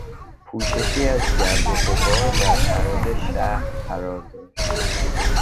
پوششی از گرد و غبار بر فراز شهر قرار داشت.